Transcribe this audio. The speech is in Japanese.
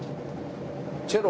チェロ！